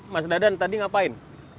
mas dadan tadi ngapain